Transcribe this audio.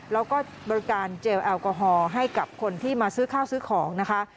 แล้วก็บริการเจลแอลกอฮอล์ให้กับคนที่มาซื้อข้าวซื้อของนะคะ